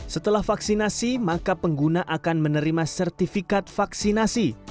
setelah vaksinasi maka pengguna akan menerima sertifikat vaksinasi